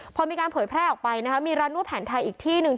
พอมีการผ่วยแพร่ออกไปนะครับมีร่านนวดแผนทางอีกที่นึง